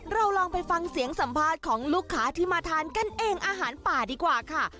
ลองไปฟังเสียงสัมภาษณ์ของลูกค้าที่มาทานกันเองอาหารป่าดีกว่าค่ะ